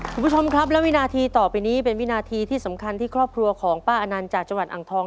คุณผู้ชมครับและวินาทีต่อไปนี้เป็นวินาทีที่สำคัญที่ครอบครัวของป้าอนันต์จากจังหวัดอ่างทอง